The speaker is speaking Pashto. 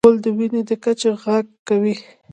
غول د وینې د کچې غږ کوي.